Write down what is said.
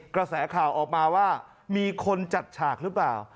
กระแสข่าวออกมาว่ามีคนจัดฉากหรือเปล่า